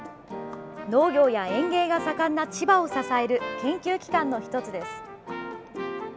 農業や園芸が盛んな千葉を支える研究機関の１つです。